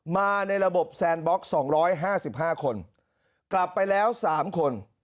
มาในระบบแซนบล็อก๒๕๕คนกลับไปแล้ว๓คน